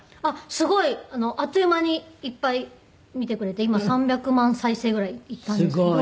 すごいあっという間にいっぱい見てくれて今３００万再生ぐらいいったんですけど。